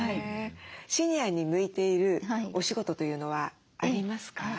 シニアに向いているお仕事というのはありますか？